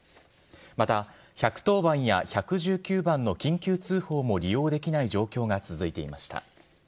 また１１０番や１１９番の緊急通報も利用できない状況が続いていました。